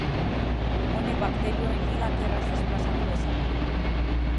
Honek bakterioen ligak erraz desplazatu dezake.